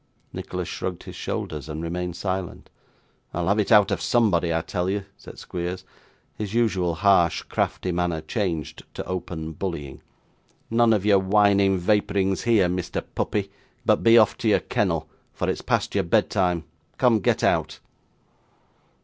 Nicholas shrugged his shoulders and remained silent. 'I'll have it out of somebody, I tell you,' said Squeers, his usual harsh crafty manner changed to open bullying 'None of your whining vapourings here, Mr. Puppy, but be off to your kennel, for it's past your bedtime! Come! Get out!